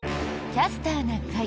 「キャスターな会」。